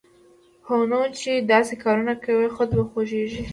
هونو چې داسې کارونه کوی، خود به خوږېږې